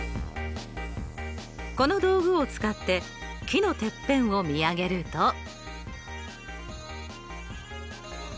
この道具を使って木のてっぺんを見上げると。